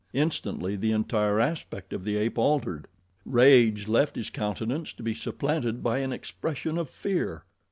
Instantly the entire aspect of the ape altered. Rage left his countenance to be supplanted by an expression of fear.